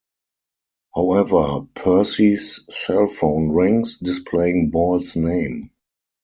However, Percy's cellphone rings, displaying Ball's name.